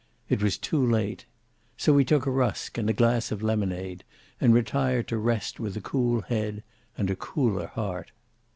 It was too late. So he took a rusk and a glass of lemonade, and retired to rest with a cool head and a cooler heart.